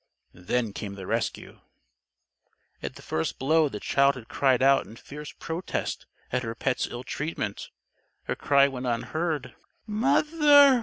Then came the rescue. At the first blow the child had cried out in fierce protest at her pet's ill treatment. Her cry went unheard. "Mother!"